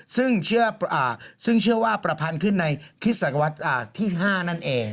ซึ่งเชื่อว่าประพันธ์ขึ้นในคริสตวรรษที่๕นั่นเอง